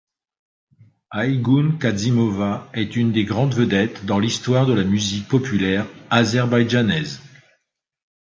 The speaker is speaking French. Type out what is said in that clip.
Aygün Kazımova est une des grandes vedettes dans l'histoire de la musique populaire azerbaïdjanaise.